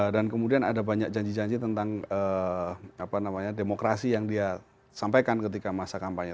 dan kemudian ada banyak janji janji tentang demokrasi yang dia sampaikan ketika masa kampanye